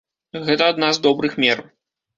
Гэта адна з добрых мер.